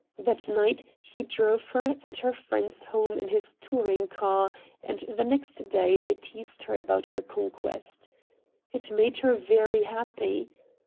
That night he drove her and her friends home in his touring car and the next day they teased her about her conquest. It made her very happy.